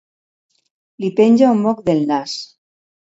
Li penja un moc del nas.